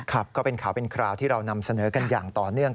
ก็เป็นข่าวเป็นคราวที่เรานำเสนอกันอย่างต่อเนื่อง